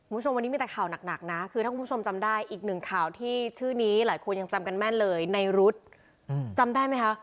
มันจะมีแต่ข่าวหนักนะคือแล้วพรุงสมจำได้อีก๑ข่าวที่ชื่อนี้หลายคนยังจำกันแม่นเลยในฤทธิ์จำได้มั้ยคะ